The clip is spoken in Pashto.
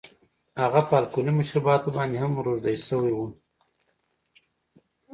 هغه په الکولي مشروباتو باندې هم روږدی شوی و